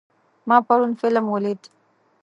ما پرون فلم ولید.